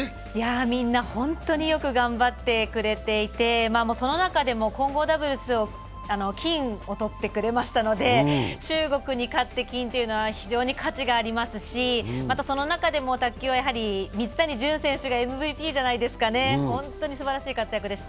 みんなホントによく頑張ってくれていてその中でも混合ダブルスで金をとってくれましたので中国に勝って金というのは価値がありますし、またその中でも卓球は水谷隼選手がＭＶＰじゃないですかね、本当にすばらしい活躍でした。